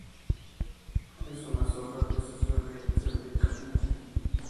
Es una sopa que se suele servir caliente.